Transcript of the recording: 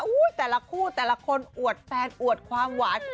แต่ละคู่แต่ละคนอวดแฟนอวดความหวาน